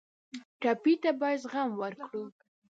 ټپي ته باید زغم ورکړو.